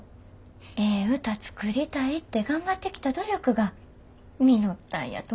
ええ歌作りたいって頑張ってきた努力が実ったんやと思う。